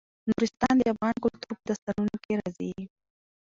نورستان د افغان کلتور په داستانونو کې راځي.